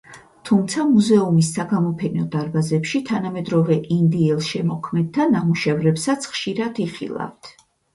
თუმცა მუზეუმის საგამოფენო დარბაზებში თანამედროვე ინდიელ შემოქმედთა ნამუშევრებსაც ხშირად იხილავთ.